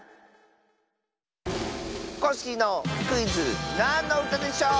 コッシーのクイズ「なんのうたでしょう」！